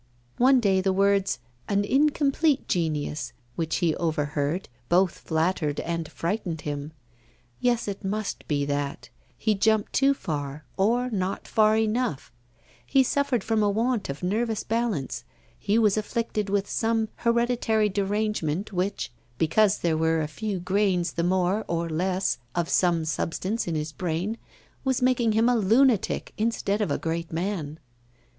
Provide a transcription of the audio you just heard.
One day the words, 'an incomplete genius,' which he overheard, both flattered and frightened him. Yes, it must be that; he jumped too far or not far enough; he suffered from a want of nervous balance; he was afflicted with some hereditary derangement which, because there were a few grains the more or the less of some substance in his brain, was making him a lunatic instead of a great man.